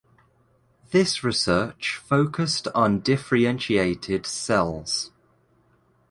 This research focused on differentiated cells.